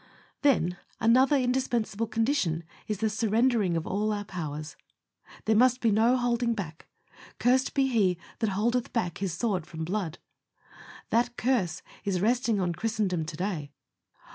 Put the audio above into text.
Then another indispensable condition is the surrendering of all our powers. There must be no holding back. "Cursed be he that holdeth back his sword from blood." That curse is resting on Christendom to day.